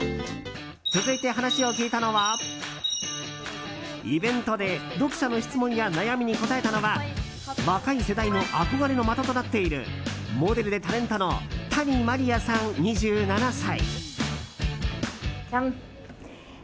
続いて、話を聞いたのはイベントで読者の質問や悩みに答えたのは若い世代の憧れの的となっているモデルでタレントの谷まりあさん、２７歳。